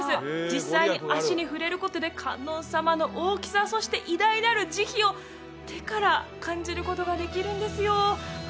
実際に足に触れることで観音様の大きさそして偉大なる慈悲を手から感じることができるんですよ